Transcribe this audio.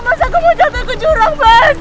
mas aku mau jatuh ke jurang